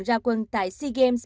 ra quân tại sea games ba mươi một